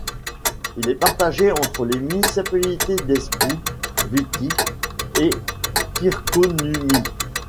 Il est partagé entre les municipalités d'Espoo, Vihti et Kirkkonummi.